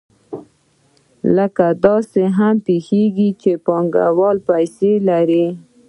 کله داسې هم پېښېږي چې پانګوال پیسې لري